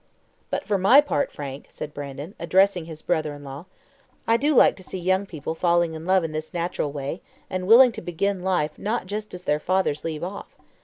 "But, for my part, Frank," said Brandon, addressing his brother in law. "I do like to see young people falling in love in this natural way, and willing to begin life not just as their fathers leave off.